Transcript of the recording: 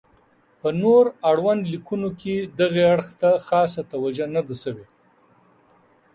په نور اړوندو لیکنو کې دغې اړخ ته خاصه توجه نه ده شوې.